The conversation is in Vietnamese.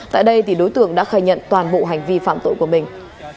tại đây đối tượng đã khai nhận toàn bộ hành vi phạm tội của mình